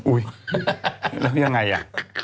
อุ๊ยแล้วยังไงอ่ะ